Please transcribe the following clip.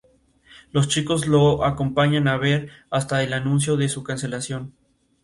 Los chicos la acompañan a ver, hasta el anuncio de su cancelación.